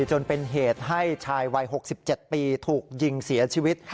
จนเป็นเหตุให้ชายวัย๖๗ปีถูกยิงเสียชีวิต